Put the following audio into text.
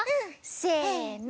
せの！